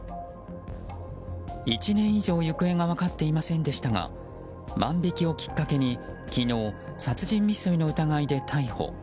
１年以上行方が分かっていませんでしたが万引きをきっかけに昨日、殺人未遂の疑いで逮捕。